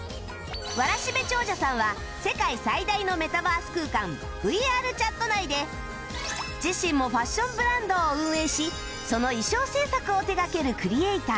わらしべ長者さんは世界最大のメタバース空間 ＶＲＣｈａｔ 内で自身もファッションブランドを運営しその衣装制作を手掛けるクリエイター